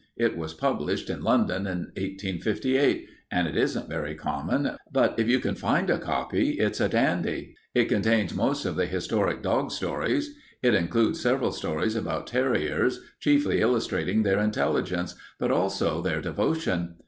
It was published in London in 1858, and it isn't very common, but if you can find a copy, it's a dandy. It contains most of the historic dog stories. It includes several stories about terriers, chiefly illustrating their intelligence, but also their devotion.